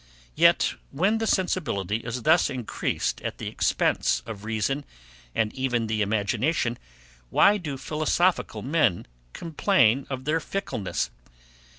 Yet, when the sensibility is thus increased at the expense of reason, and even the imagination, why do philosophical men complain of their fickleness?